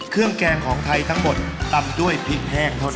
แกงของไทยทั้งหมดตำด้วยพริกแห้งเท่านั้น